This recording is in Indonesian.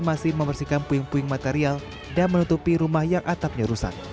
masih membersihkan puing puing material dan menutupi rumah yang atapnya rusak